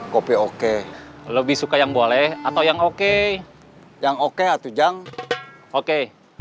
kopi oke lebih suka yang boleh atau yang oke yang oke atau jung oke